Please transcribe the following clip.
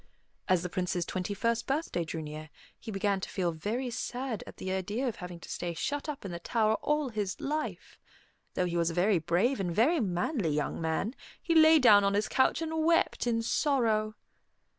As the Prince's twenty first birthday drew near, he began to feel very sad at the idea of having to stay shut up in the tower all his life. Though he was a very brave and very manly young man, he lay down on his couch and wept in sorrow.